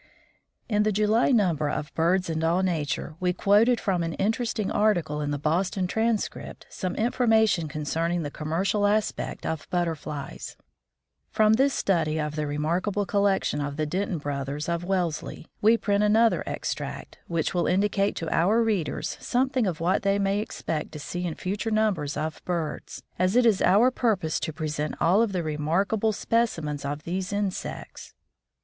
In the July number of BIRDS AND ALL NATURE we quoted from an interesting article in the Boston Transcript some information concerning the commercial aspect of Butterflies. From this study of the remarkable collection of the Denton Brothers of Wellesley, we print another extract, which will indicate to our readers something of what they may expect to see in future numbers of BIRDS, as it is our purpose to present all of the remarkable specimens of these insects.